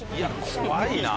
怖いな。